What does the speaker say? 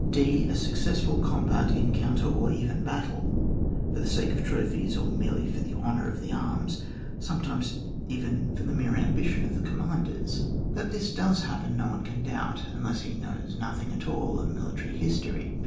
(d.) A successful combat, encounter, or even battle, for the sake of trophies, or merely for the honour of the arms, some times even for the mere ambition of the 22 ON WAR. [book vt. commanders. That this does happen no one can doubt, unless he knows nothing at all of military history.